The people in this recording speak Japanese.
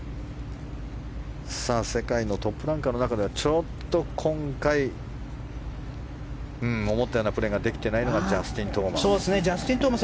世界のトップランカーの中ではちょっと、今回思ったようなプレーができていないのがジャスティン・トーマス。